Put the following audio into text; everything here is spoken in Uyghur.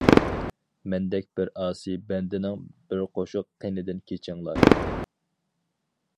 مەندەك بىر ئاسىي بەندىنىڭ بىر قوشۇق قېنىدىن كېچىڭلار!